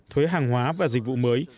thuế hàng hóa và dịch vụ mới